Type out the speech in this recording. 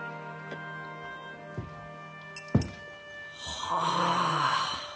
はあ。